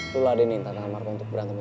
lo laden yang tata ngamarkan untuk berantem itu